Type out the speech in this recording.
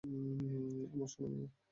আমার সোনা মেয়ে!